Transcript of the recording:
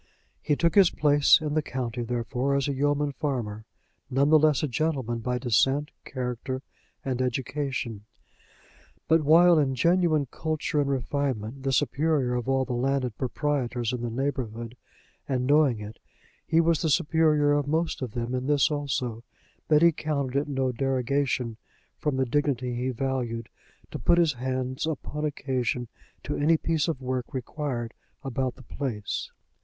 He took his place in the county, therefore, as a yeoman farmer none the less a gentleman by descent, character, and education. But while in genuine culture and refinement the superior of all the landed proprietors in the neighborhood, and knowing it, he was the superior of most of them in this also, that he counted it no derogation from the dignity he valued to put his hands upon occasion to any piece of work required about the place.